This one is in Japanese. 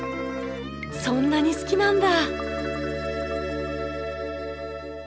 そんなに好きなんだ！